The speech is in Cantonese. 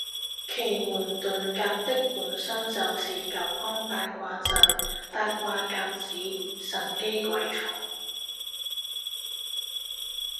奇門遁甲的本身就是九宮八卦陣。“八卦甲子，神機鬼藏”